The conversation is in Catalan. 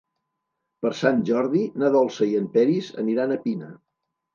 Per Sant Jordi na Dolça i en Peris aniran a Pina.